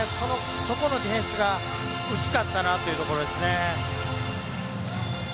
そこのディフェンスが薄かったなというところですね。